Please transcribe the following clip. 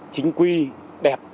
chính quy đẹp